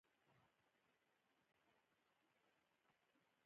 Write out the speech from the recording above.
هغې وویل: که تا شرم درلودای اوس به حالات بل ډول وای.